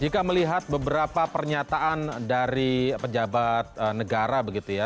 jika melihat beberapa pernyataan dari pejabat negara begitu ya